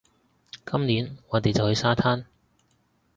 今年，我哋就去沙灘